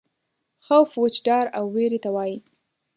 خوف وچ ډار او وېرې ته وایي.